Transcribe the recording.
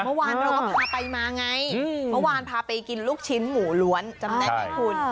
เมื่อวานเราก็พาไปมาไงเมื่อวานพาไปกินลูกชิ้นหมูล้วนจำได้ไหมคุณ